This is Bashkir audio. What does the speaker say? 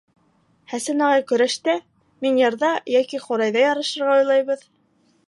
Хәсән ағай көрәштә, мин йырҙа йәки ҡурайҙа ярышырға уйлайбыҙ.